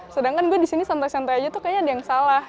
sedangkan gue disini santai santai aja tuh kayaknya ada yang salah